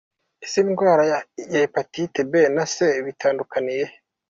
Ese indwara ya Hepatite B na C bitandukanira he?.